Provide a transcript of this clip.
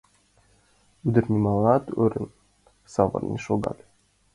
Ӱдыр, нимолан ӧрын, савырнен шогале.